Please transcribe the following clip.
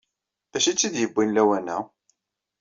D acu ay tt-id-yewwin lawan-a?